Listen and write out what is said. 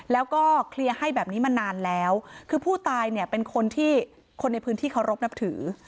แล้วก็เคลียร์ให้แบบนี้มานานแล้วคือผู้ตายเนี่ยเป็นคนที่คนในพื้นที่เคารพนับถือ